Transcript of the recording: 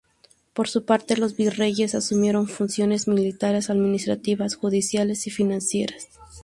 Por su parte, los virreyes asumieron funciones militares, administrativas, judiciales y financieras.